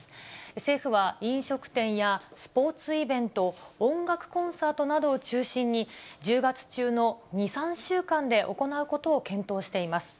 政府は飲食店やスポーツイベント、音楽コンサートなどを中心に、１０月中の２、３週間で行うことを検討しています。